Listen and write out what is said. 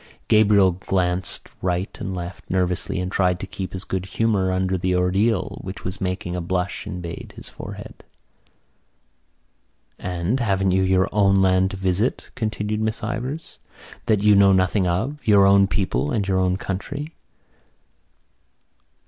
Gabriel glanced right and left nervously and tried to keep his good humour under the ordeal which was making a blush invade his forehead. "And haven't you your own land to visit," continued Miss Ivors, "that you know nothing of, your own people, and your own country?"